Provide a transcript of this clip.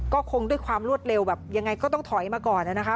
ก็คงด้วยความรวดเร็วแบบยังไงก็ต้องถอยมาก่อนนะคะ